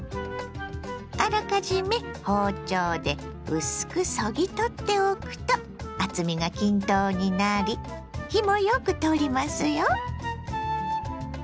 あらかじめ包丁で薄くそぎ取っておくと厚みが均等になり火もよく通りますよ。